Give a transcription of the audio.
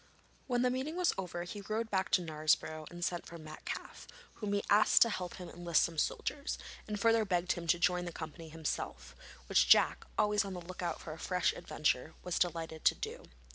When the meeting was over he rode back to Knaresborough and sent for Metcalfe, whom he asked to help him enlist some soldiers, and further begged him to join the company himself, which Jack, always on the look out for a fresh adventure, was delighted to do.